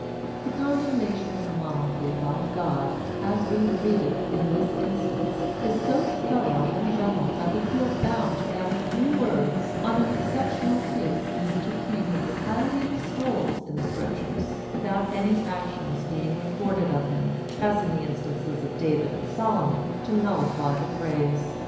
The condemnation of Monarchy by God, as we read it in this instance, is so thorough and general that we feel bound to add a few words on an exceptional case in which a king is highly extolled in the Scriptures, without any actions being recorded of him, as in the instances of David and Solomon, to nullify the praise.